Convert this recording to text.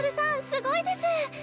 すごいです。